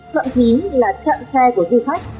thậm chí là chặn xe của du khách